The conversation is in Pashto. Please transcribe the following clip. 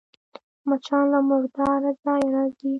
مچان له مرداره ځایه راځي